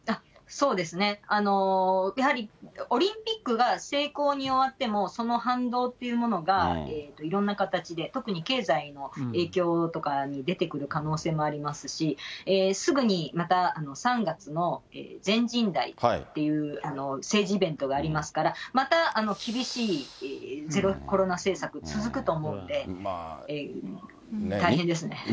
やはり、オリンピックが成功に終わっても、その反動っていうものが、いろんな形で、特に経済の影響とかに出てくる可能性もありますし、すぐにまた、３月の全人代っていう政治イベントがありますから、また厳しいゼロコロナ政策、続くと思うので、大変ですね。